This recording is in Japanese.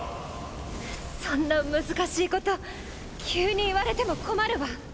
そんな難しいこと急に言われても困るわ。